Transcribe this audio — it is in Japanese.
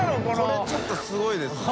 海ちょっとすごいですね。